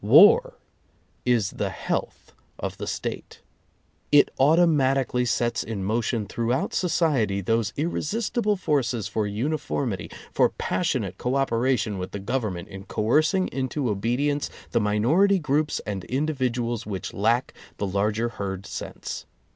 War is the health of the State. It automatic ally sets in motion throughout society those irre sistible forces for uniformity, for passionate co operation with the Government in coercing into obedience the minority groups and individuals which lack the larger herd sense.